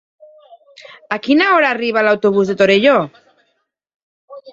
A quina hora arriba l'autobús de Torelló?